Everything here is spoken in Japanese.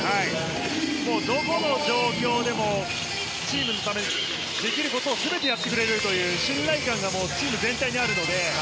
どの状況でもチームのためにできることを全てやってくれるという信頼感がチーム全体にあるので。